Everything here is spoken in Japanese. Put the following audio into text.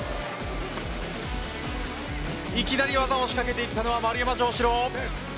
いきなり技を仕掛けていったのは丸山城志郎。